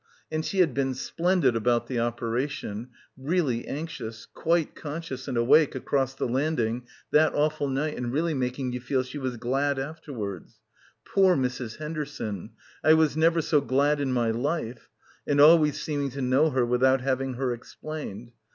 And she had been splendid about the operation — really anxious, quite conscious and awake across the landing that awful night and really making you feel she was glad afterwards. "Poor Mrs. Henderson — I was never so glad in my life" — and always seeming to know her with out having her explained.